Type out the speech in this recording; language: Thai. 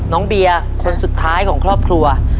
น้องเบียร์คนสุดท้ายของครอบครัว